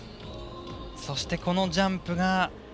そして、このジャンプが。